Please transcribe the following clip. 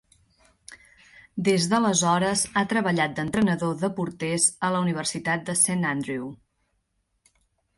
Des d'aleshores ha treballat d'entrenador de porters a la Universitat de Saint Andrew.